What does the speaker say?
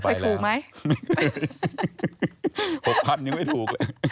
ไปแล้วไม่ใช่๖พันยังไม่ถูกเลย